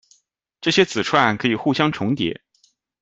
这些子串可以互相重叠。